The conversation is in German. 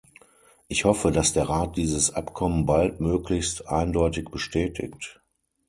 Ich hoffe, dass der Rat dieses Abkommen baldmöglichst eindeutig bestätigt.